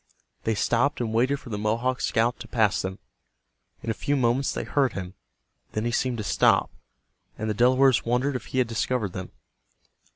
They stopped and waited for the Mohawk scout to pass them. In a few moments they heard him. Then he seemed to stop, and the Delawares wondered if he had discovered them.